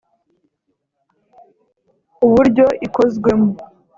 uburyo ikozwemo